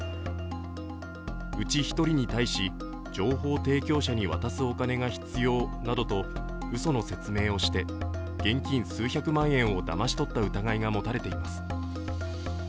うち１人に対し、情報提供者に渡すお金が必要などとうその説明をして、現金数百万円をだまし取った疑いが持たれています。